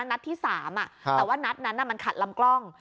นัดที่๓แต่ว่านัดนั้นมันขัดลำกล้อง